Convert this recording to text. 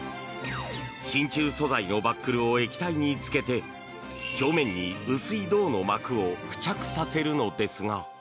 真鍮素材のバックルを液体に浸けて表面に薄い銅の膜を付着させるのですが。